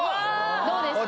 どうですか？